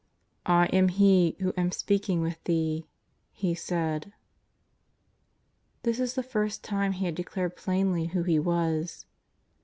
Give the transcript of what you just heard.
" I am He who am speaking with thee," He said. This is the first time He had declared plainly who He was.